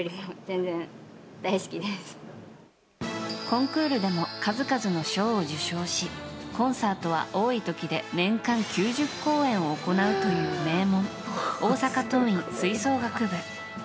コンクールでも数々の賞を受賞しコンサートは多い時で年間９０公演を行うという名門大阪桐蔭吹奏楽部。